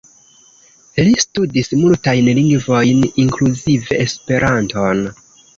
Li studis multajn lingvojn, inkluzive Esperanton.